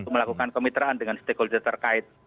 melakukan kemitraan dengan stakeholder terkait